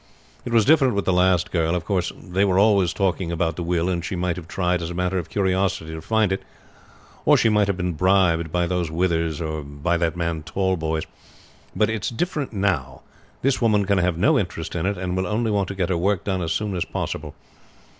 It was different with the last girl. Of course they were always talking about the will, and she might have tried, as a matter of curiosity, to find it, or she might have been bribed by those Withers or by that man Tallboys; but it is different now. This woman can have no interest in it, and will only want to get her work done as soon as possible.